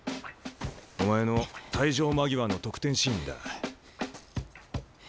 お前の退場間際の得点シーンだ。